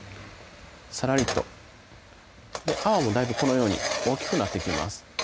さらりと泡もだいぶこのように大きくなってきます